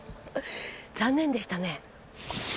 残念でしたね。